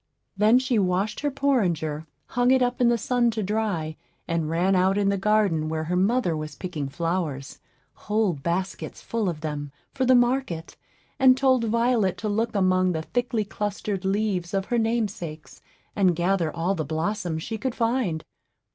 Then she washed her porringer, hung it up in the sun to dry, and ran out in the garden, where her mother was picking flowers, whole baskets full of them, for the market, and told Violet to look among the thickly clustering leaves of her namesakes, and gather all the blossoms she could find.